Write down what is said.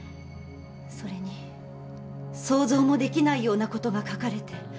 それに想像もできないようなことが書かれて。